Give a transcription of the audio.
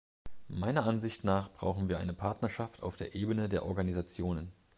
Meiner Ansicht nach brauchen wir eine Partnerschaft auf der Ebene der Organisationen.